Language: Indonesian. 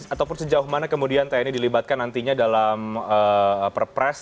ataupun sejauh mana kemudian tni dilibatkan nantinya dalam perpres